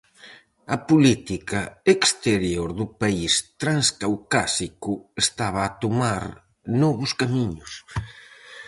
A política exterior do país transcaucásico estaba a tomar novos camiños.